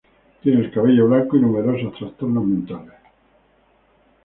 Tiene el cabello blanco, y numerosos trastornos mentales.